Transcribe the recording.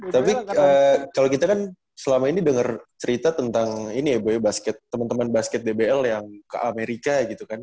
tapi kalo kita kan selama ini denger cerita tentang ini ya temen temen basket dbl yang ke amerika gitu kan